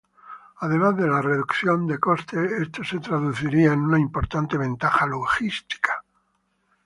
Además de la reducción costes, esto se traduciría en una importante ventaja logística.